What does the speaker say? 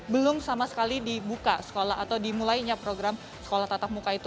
belum sama sekali dibuka sekolah atau dimulainya program sekolah tatap muka itu